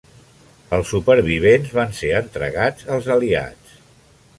Els supervivents van ser entregats als aliats.